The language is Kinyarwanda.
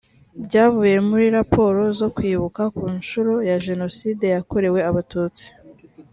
byavuye muri raporo zo kwibuka ku nshuro ya jenoside yakorewe abatutsi